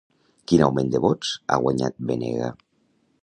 Quin augment de vots ha guanyat Benega?